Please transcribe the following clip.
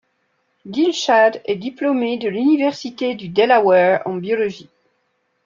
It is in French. Dilshad est diplômée de l'université du Delaware en biologie.